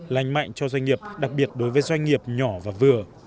lành mạnh cho doanh nghiệp đặc biệt đối với doanh nghiệp nhỏ và vừa